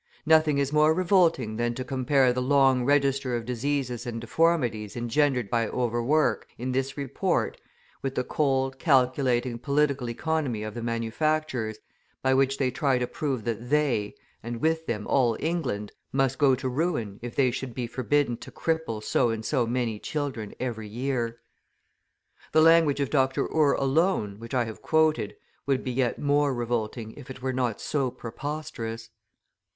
Nothing is more revolting than to compare the long register of diseases and deformities engendered by overwork, in this report, with the cold, calculating political economy of the manufacturers, by which they try to prove that they, and with them all England, must go to ruin, if they should be forbidden to cripple so and so many children every year. The language of Dr. Ure alone, which I have quoted, would be yet more revolting if it were not so preposterous.